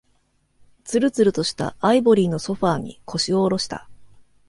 つるつるとしたアイボリーのソファーに、腰を下ろした。